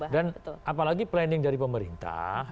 dan apalagi planning dari pemerintah